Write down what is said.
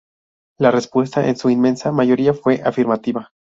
La respuesta en su inmensa mayoría fue afirmativa.